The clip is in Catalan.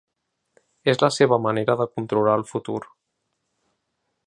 És la seva manera de controlar el futur.